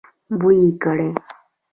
بوی يې کړی.